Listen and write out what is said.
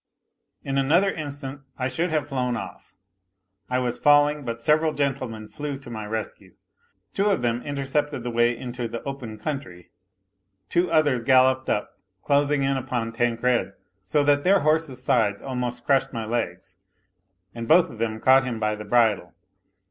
In another instant I should have flown off; I was falling; but several gentlemen flew to my rescue. Two of them inter cepted the way into the open country, two others galloped up, closing in upon Tancred so that their horses' sides almost crushed my legs, and both of them caught him by the bridle.